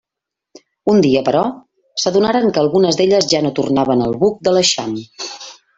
Un dia, però, s'adonaren que algunes d'elles ja no tornaven al buc de l'eixam.